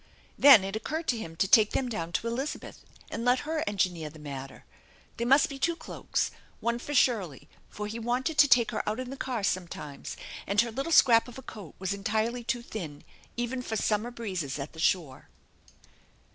Then it occurred to him to take them down to Elizabeth and let her engineer the matter. There must be two cloaks, one for Shirley, for he wanted to take her out in the car sometimes and her little scrap of a coat was entirely too thin even for summer breezes at the shore.